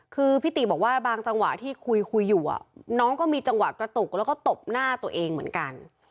คือพี่ติบอกว่าบางจังหวะที่คุยคุยอยู่น้องก็มีจังหวะกระตุกแล้วก็ตบหน้าตัวเองเหมือนกัน